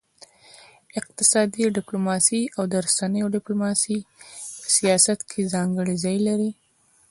اقتصادي ډيپلوماسي او د رسنيو ډيپلوماسي په سیاست کي ځانګړی ځای لري.